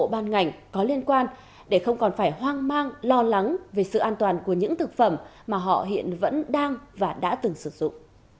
ban ngành có liên quan để không còn phải hoang mang lo lắng về sự an toàn của những thực phẩm mà họ hiện vẫn đang và đã từng sử dụng